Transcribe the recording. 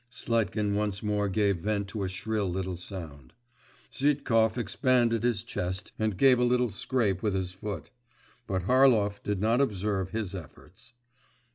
Sletkin once more gave vent to a shrill little sound; Zhitkov expanded his chest and gave a little scrape with his foot; but Harlov did not observe his efforts.